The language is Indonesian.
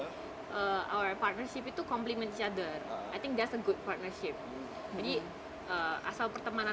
perjalanan kita itu mengucapkan salam kepada satu sama lain